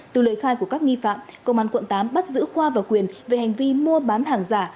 từ lời khai của các nghi phạm công an quận tám bắt giữ khoa và quyền về hành vi mua bán hàng giả